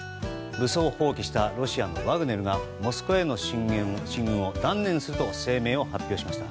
武装蜂起したロシアのワグネルがモスクワへの進軍を断念すると声明を発表しました。